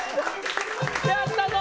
やったぞ！